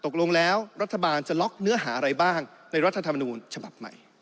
การจะล๊อคเนื้อหาอะไรบ้างในรัฐธรรมนูญฉบับใหม่